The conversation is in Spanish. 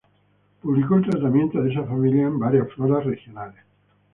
Publicó el tratamiento de esa familia en varias floras regionales.